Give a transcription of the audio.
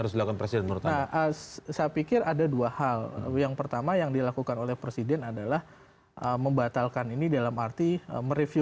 sampai jumpa di video selanjutnya